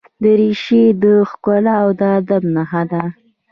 دریشي د ښکلا او ادب نښه ده.